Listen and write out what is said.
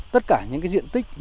tất cả những diện tích